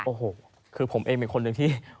โอ้โหคือผมเองเป็นคนหนึ่งที่